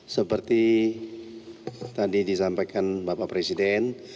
seperti tadi disampaikan bapak presiden